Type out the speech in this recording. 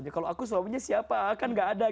kalau aku suaminya siapa